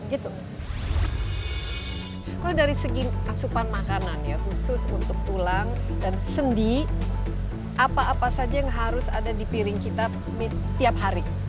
kalau dari segi asupan makanan ya khusus untuk tulang dan sendi apa apa saja yang harus ada di piring kita tiap hari